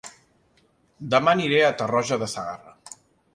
Dema aniré a Tarroja de Segarra